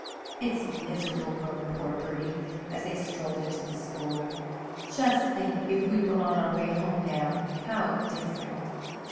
"It's miserable," groaned poor Bertie, as they strolled into the schoolroom. "Just think if we were on our way home now how different."